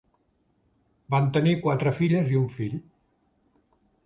Van tenir quatre filles i un fill.